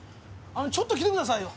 ちょっと来てくださいよ。